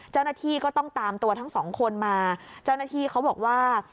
เจ้าหน้าที่ก็ต้องตามตัวทั้งสองคนมาเจ้าหน้าที่เขาบอกว่า